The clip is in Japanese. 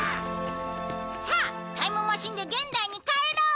さあタイムマシンで現代に帰ろう。